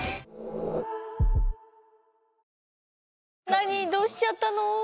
何⁉どうしちゃったの？